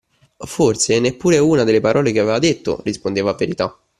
Forse, neppure una delle parole che aveva dette rispondeva a verità.